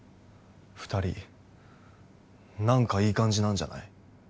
二人何かいい感じなんじゃない？